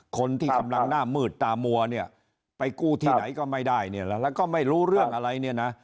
คนที่กำลังหน้ามืดตามัวเนี่ยไปกู้ที่ไหนก็ไม่ได้เนี่ยแล้วก็ไม่รู้เรื่องอะไรเนี่ยนะ